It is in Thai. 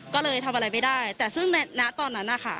ก็เลยทำอะไรไม่ได้แต่ซึ่งในณตอนนั้นนะคะ